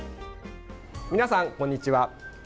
皆さん、こんにちは。